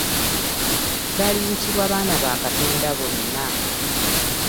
Baliyitibwa baana ba Katonda bonna.